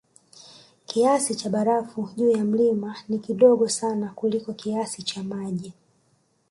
Kiasi cha barafu juu ya mlima ni kidogo sana kuliko kiasi cha maji